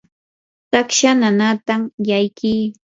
taksha nanaatam llakii.